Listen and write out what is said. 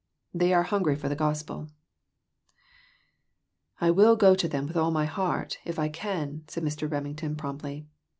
They are hungry for the gospel." "I will go to them with all my heart, if I can," said Mr. Remington, promptly.